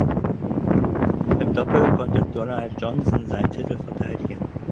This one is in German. Im Doppel konnte Donald Johnson seinen Titel verteidigen.